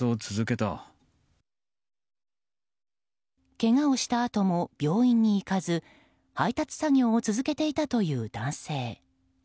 けがをしたあとも病院に行かず配達作業を続けていたという男性。